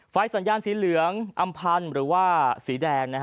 สัญญาณสีเหลืองอำพันธ์หรือว่าสีแดง